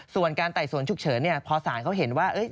ส่วนการไต่สวนฉุกเฉินพอศาลเขาเห็นว่า